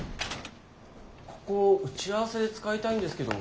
ここ打ち合わせで使いたいんですけど。